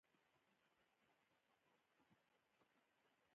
د پښتون زرغون ځمکې حاصلخیزه دي